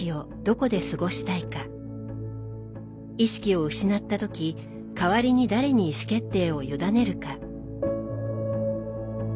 意識を失った時代わりに誰に意思決定を委ねるか。